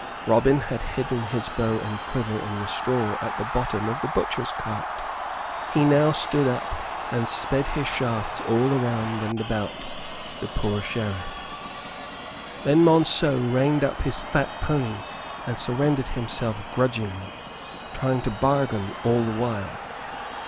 Robin had hidden his bow and quiver in the straw at the bottom of the butcher's cart. He now stood up and sped his shafts all round and about the poor Sheriff. Then Monceux reined up his fat pony and surrendered himself grudgingly, trying to bargain all the while.